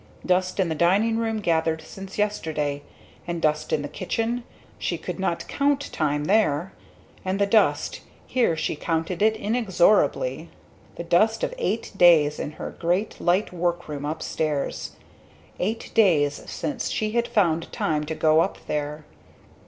dust in the dining room gathered since yesterday the dust in the kitchen she would not count time there, and the dust here she counted it inexorably the dust of eight days in her great, light workroom upstairs. Eight days since she had found time to go up there.